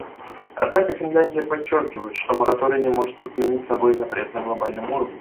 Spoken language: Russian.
Однако Финляндия подчеркивает, что мораторий не может подменить собой запрет на глобальном уровне.